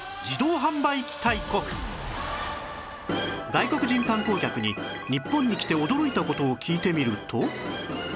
外国人観光客に日本に来て驚いた事を聞いてみると